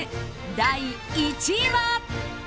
第１位は。